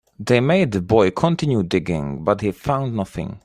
They made the boy continue digging, but he found nothing.